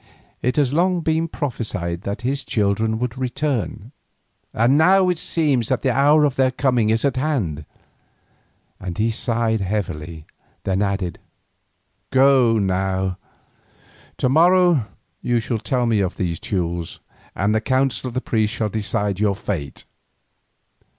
"It has long been prophesied that his children would return, and now it seems that the hour of their coming is at hand," and he sighed heavily, then added: "Go now. To morrow you shall tell me of these Teules, and the council of the priests shall decide your fate."